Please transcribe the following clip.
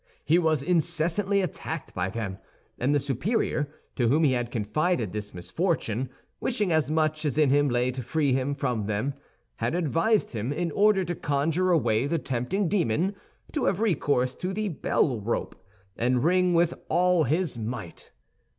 He was incessantly attacked by them, and the superior, to whom he had confided this misfortune, wishing as much as in him lay to free him from them, had advised him, in order to conjure away the tempting demon, to have recourse to the bell rope, and ring with all his might.